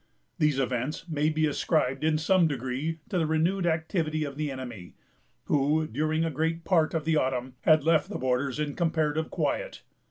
These events may be ascribed, in some degree, to the renewed activity of the enemy; who, during a great part of the autumn, had left the borders in comparative quiet.